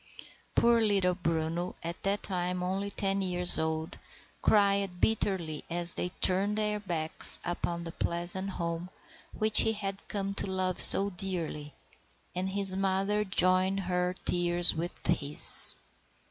Poor little Bruno, at that time only ten years old, cried bitterly as they turned their backs upon the pleasant home which he had come to love so dearly, and his mother joined her tears with his.